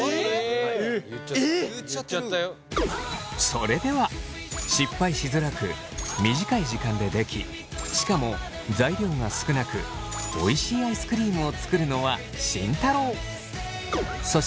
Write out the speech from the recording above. それでは失敗しづらく短い時間でできしかも材料が少なくおいしいアイスクリームを作るのは慎太郎。